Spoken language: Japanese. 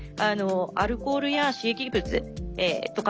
アルコールや刺激物とかのですね